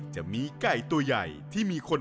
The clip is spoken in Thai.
จะมีไก่ตัวใหญ่ที่มีคน